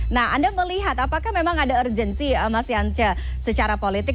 nah anda melihat apakah memang ada urgensi mas yance secara politik